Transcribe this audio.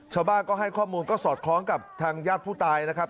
ชาวบ้านก็ให้ข้อมูลก็สอดคล้องกับทางญาติผู้ตายนะครับ